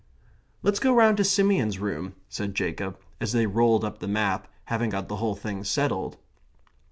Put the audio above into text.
"Let's go round to Simeon's room," said Jacob, and they rolled up the map, having got the whole thing settled.